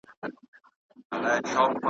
سړي وویل جنت ته به زه ځمه .